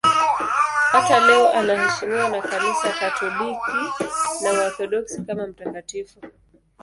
Hata leo anaheshimiwa na Kanisa Katoliki na Waorthodoksi kama mtakatifu.